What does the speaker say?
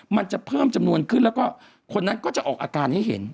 มันจะเพิ่มจำนวนขึ้นแล้วก็คนนั้นก็จะออกอาการให้เห็น